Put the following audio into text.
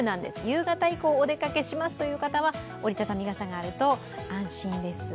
夕方以降お出かけしますという方は折り畳み傘があると安心です。